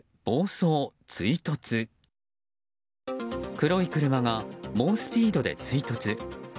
黒い車が猛スピードで追突。